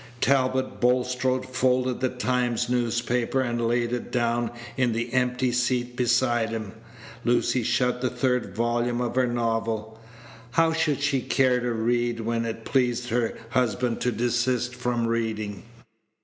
Talbot Bulstrode folded the Times newspaper, and laid it down in the empty seat beside him. Lucy shut the third volume of her novel. How should she care to read when it pleased her husband to desist from reading?